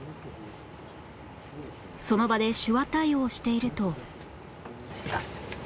その場で手話対応していると